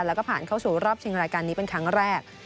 แล้วก็ผ่านเข้าสู่รอบชิงรายการนี้เป็นครั้งแรก